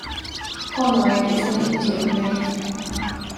Conoy is an Indian name.